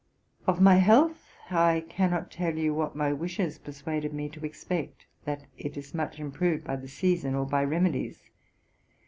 Of my health I cannot tell you, what my wishes persuaded me to expect, that it is much improved by the season or by remedies.